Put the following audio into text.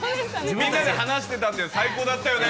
みんなで話してたんで、最高だったよね。